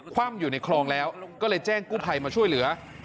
คว่ำอยู่ในคลองแล้วก็เลยแจ้งกู้ภัยมาช่วยเหลือ